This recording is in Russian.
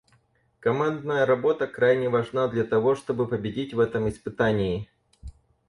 Командная работа крайне важна для того, чтобы победить в этом испытании.